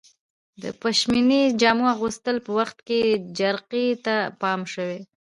د پشمي جامو اغوستلو په وخت کې جرقې ته پام شوی؟